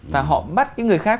và họ bắt cái người khác